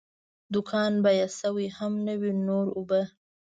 دوکان بیمه شوی هم نه وي، نور اوبه.